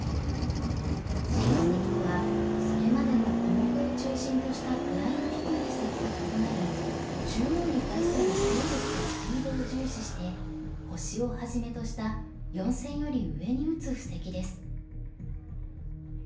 新布石とはそれまでの小目を中心とした位の低い布石と異なり中央に対する勢力とスピードを重視して星をはじめとした４線より上に打つ布石です。